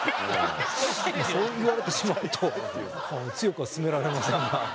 そう言われてしまうと強くは勧められませんが。